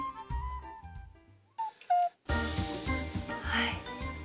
はい。